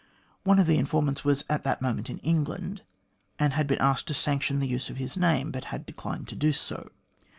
One of the informants was at that moment in England, and had been asked to sanction the use of his name, but had declined to do so.